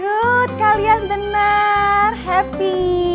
good kalian benar happy